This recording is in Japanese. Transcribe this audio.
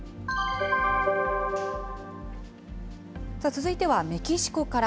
続いてはメキシコから。